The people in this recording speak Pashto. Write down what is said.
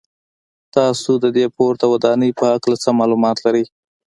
تاسو د دې پورته ودانۍ په هکله څه معلومات لرئ.